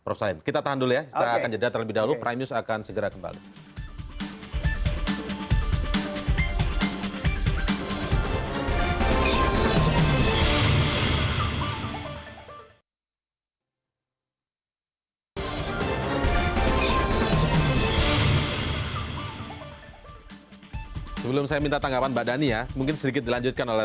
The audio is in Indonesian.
apakah dengan kemudian merevisi tentang perpu ormas ini